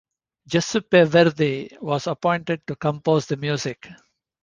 Giuseppe Verdi was appointed to compose the music.